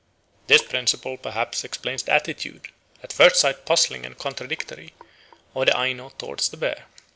This principle perhaps explains the attitude, at first sight puzzling and contradictory, of the Aino towards the bear.